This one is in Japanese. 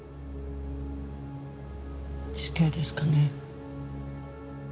死刑ですかね？